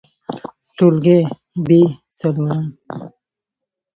ټولګى : ب څلورم